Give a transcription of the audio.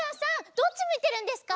どっちむいてるんですか？